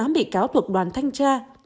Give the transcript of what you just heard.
một mươi tám bị cáo thuộc đoàn thanh tra tổ giáo